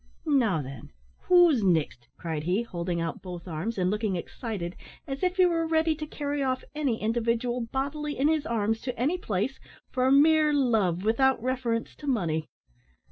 "Now, thin, who's nixt?" cried he, holding out both arms, and looking excited, as if he were ready to carry off any individual bodily in his arms to any place, for mere love, without reference to money.